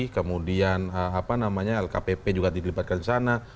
kemudian lkpp juga dilibatkan di sana